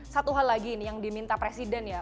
satu hal lagi ini yang diminta presiden ya